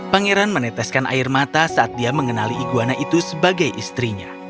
pangeran meneteskan air mata saat dia mengenali iguana itu sebagai istrinya